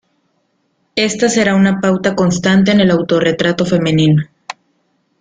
Esta será una pauta constante en el autorretrato femenino.